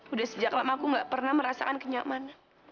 udah sejak lama aku gak pernah merasakan kenyamanan